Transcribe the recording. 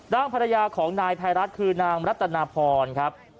ภรรยาของนายภัยรัฐคือนางรัตนาพรครับ